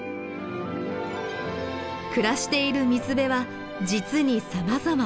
暮らしている水辺は実にさまざま。